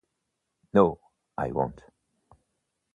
No - I won’t!